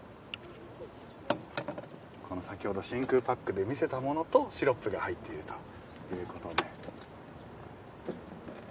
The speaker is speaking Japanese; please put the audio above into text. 先ほど真空パックで見せたものとシロップが入っているということで。